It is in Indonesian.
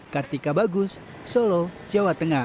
kartika bagus solo jawa tengah